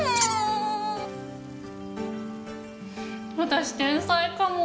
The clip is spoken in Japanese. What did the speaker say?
私天才かも。